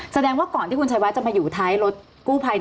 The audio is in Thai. แสดงว่าก่อนที่คุณชายวัดจะมาอยู่ท้ายรถกู้ภัย